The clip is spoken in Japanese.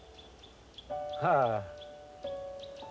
はあ。